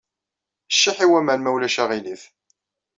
Ciḥḥ i waman, ma ulac aɣilif.